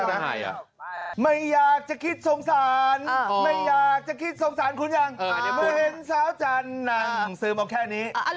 ล้อมต่อตอนเบรกเลยด้วยนะครับอยากฟัง